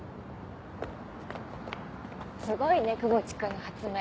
すごいね窪地君の発明。